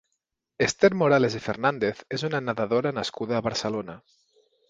Esther Morales i Fernández és una nedadora nascuda a Barcelona.